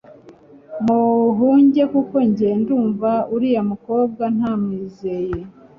muhunge kuko njye ndumva uriya mukobwa ntamwizeye